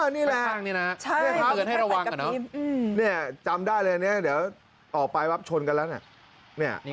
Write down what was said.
นี่แหละใช่ครับไฟกระพริบจำได้เลยอันนี้เดี๋ยวออกไปชนกันแล้ว